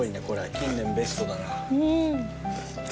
近年ベストだな。